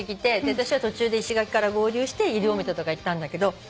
私は途中で石垣から合流して西表とか行ったんだけど。